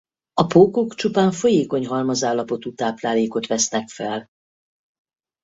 A pókok csupán folyékony halmazállapotú táplálékot vesznek fel.